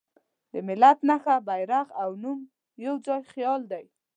د ملت نښه، بیرغ او نوم یواځې خیال دی.